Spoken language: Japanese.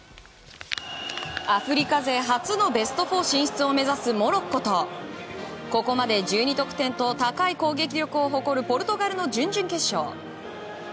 アフリカ勢初のベスト４進出を目指すモロッコとここまで１２得点と高い攻撃力を誇るポルトガルの準々決勝。